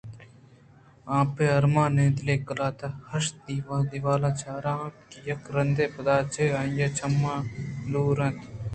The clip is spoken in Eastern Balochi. آ پہ ارمانیں دلے ءَ قلات ءِہِشت ءُدیوالاں چاران اَت کہ یک رندے پداچہ آئی ءِ چماں دُور روان اَت